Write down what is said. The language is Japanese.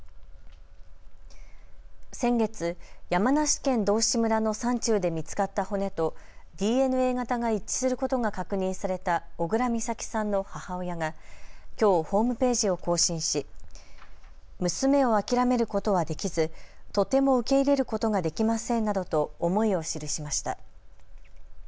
先月、山梨県道志村の山中で見つかった骨とＤＮＡ型が一致することが確認された小倉美咲さんの母親がきょうホームページを更新し娘を諦めることはできずとても受け入れることができませんなどと思いを記しました。